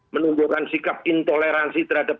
menunjukkan sikap intoleransi terhadap